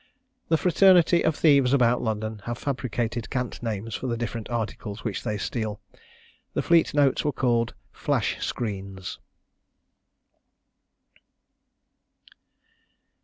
The fraternity of thieves about London have fabricated cant names for the different articles which they steal. The Fleet notes were called "Flash Screens."